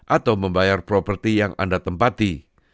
atau membayar properti yang anda tempati